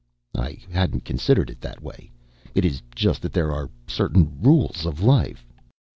"I hadn't considered it that way. It is just that there are certain rules of life...."